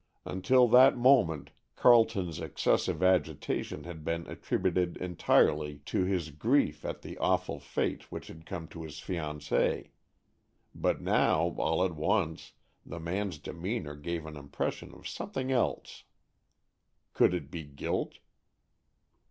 Until that moment Carleton's excessive agitation had been attributed entirely to his grief at the awful fate which had come to his fiancée; but now, all at once, the man's demeanor gave an impression of something else. Could it be guilt?